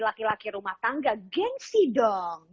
laki laki rumah tangga gengsi dong